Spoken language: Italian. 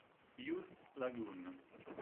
Youth Lagoon